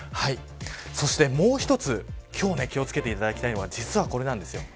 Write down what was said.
そして、もう一つ今日、気を付けていただきたいのが実は、これです。